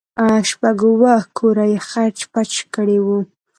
شپږ اوه کوره يې خچ پچ کړي وو.